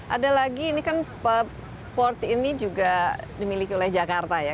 ada lagi ini kan port ini juga dimiliki oleh jakarta ya